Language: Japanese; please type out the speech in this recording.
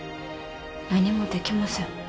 何もできません。